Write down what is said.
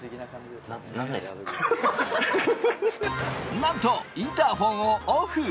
なんとインターホンをオフ。